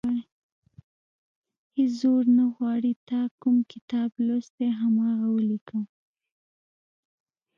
هېڅ زور نه غواړي تا کوم کتاب لوستی، هماغه ولیکه.